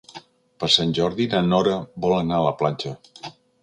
Per Sant Jordi na Nora vol anar a la platja.